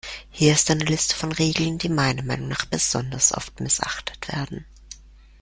Hier ist eine Liste von Regeln, die meiner Meinung nach besonders oft missachtet werden.